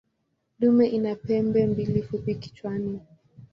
Dume ina pembe mbili fupi kichwani.